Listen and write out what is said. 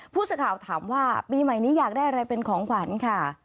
ผู้สื่อข่าวถามว่าปีใหม่นี้อยากได้อะไรเป็นของขวัญค่ะ